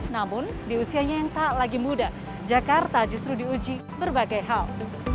namun di usianya yang tak lagi muda jakarta justru diuji berbagai hal